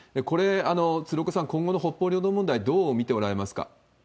これ、鶴岡さん、今後の北方領土問題、どう見ておられますか？